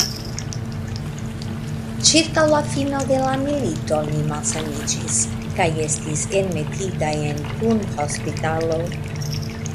Ĉirkaŭ la fino de la milito li malsaniĝis kaj estis enmetita en punhospitalo.